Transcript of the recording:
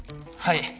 はい！